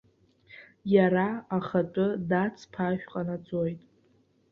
Иара ахатәы дац-ԥашә ҟанаҵоит.